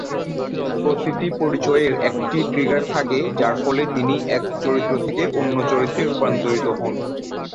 প্রতিটি পরিচয়ের একটি ট্রিগার থাকে যার ফলে তিনি এক চরিত্র থেকে অন্য চরিত্রে রূপান্তরিত হন।